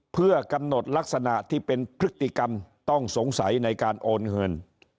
เพื่อกำหนดลักษณะที่เป็นพฤติกรรมต้องสงสัยในการโอนเงิน